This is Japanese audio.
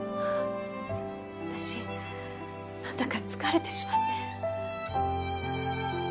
私なんだか疲れてしまって。